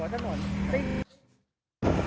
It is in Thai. หัวถนน